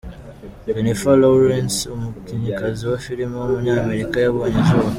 Jennifer Lawrence, umukinnyikazi wa film w’umunyamerika yabonye izuba.